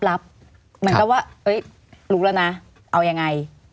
เหมือนกับว่ารู้แล้วนะเอายังไง